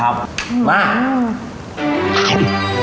ครับมา